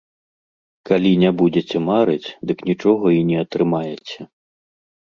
Калі не будзіце марыць, дык нічога і не атрымаеце.